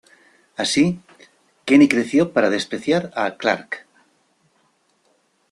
Así, Kenny creció para despreciar a Clark.